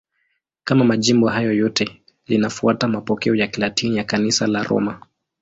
Kama majimbo hayo yote, linafuata mapokeo ya Kilatini ya Kanisa la Roma.